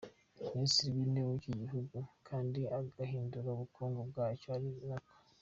Minisitiri wIntebe wiki gihugu kandi agahindura ubukungu bwacyo ari nako.